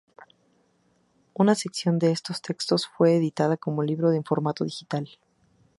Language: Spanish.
Una selección de estos textos fue editada como libro en formato digital.